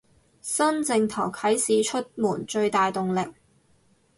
新正頭啟市出門最大動力